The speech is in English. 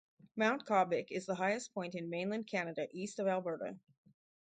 Mount Caubvick is the highest point in mainland Canada east of Alberta.